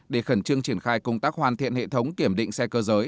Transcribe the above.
để khẩn trương triển khai công tác hoàn thiện hệ thống kiểm định xe cơ giới